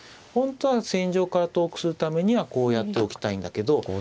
本当は戦場から遠くするためにはこうやっておきたいんだけど。